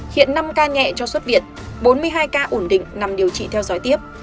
hiện năm ca nhẹ cho xuất viện bốn mươi hai ca ổn định nằm điều trị theo dõi tiếp